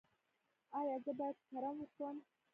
ایا زه باید کرم وخورم؟